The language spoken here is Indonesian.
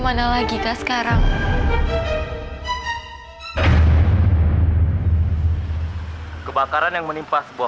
panjat berapa itu